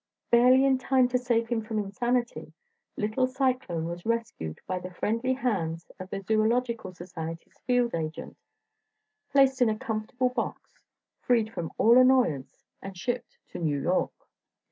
Barely in time to save him from insanity, little Cyclone was rescued by the friendly hands of the Zoological Society's field agent, placed in a comfortable box, freed from all annoyance, and shipped to New York.